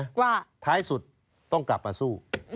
ว่าท้ายสุดต้องกลับมาสู้